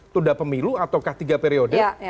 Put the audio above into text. tunda pemilu atau ketiga periode